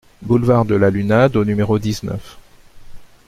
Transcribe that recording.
Boulevard de la Lunade au numéro dix-neuf